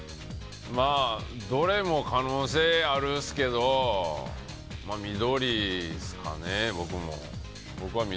まあどれも可能性あるんっすけど緑ですかね、僕も。